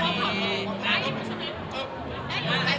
มันยอดทั้งประโยคเกิด